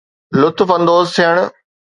لطف اندوز ٿيڻ